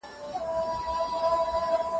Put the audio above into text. خاوند حق نلري، چي د ميرمني په شتمني کي سلطه وکړي.